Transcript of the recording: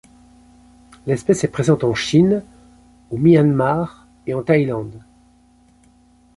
L'espèce est présente en Chine, au Myanmar et en Thaïlande.